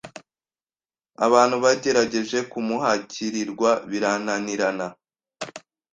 Abantu bagerageje kumuhakirirwa birananirana